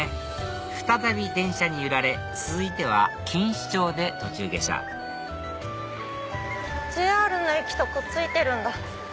再び電車に揺られ続いては錦糸町で途中下車ＪＲの駅とくっついてるんだ。